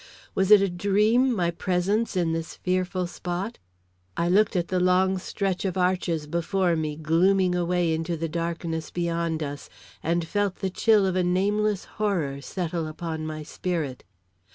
Was it a dream, my presence in this fearful spot? I looked at the long stretch of arches before me glooming away into the darkness beyond us, and felt the chill of a nameless horror settle upon my spirit.